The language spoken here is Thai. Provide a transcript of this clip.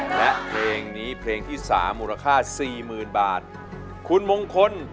เพลงนี้เพลงที่๓มูลค่า๔๐๐๐๐บาทคุณมงคล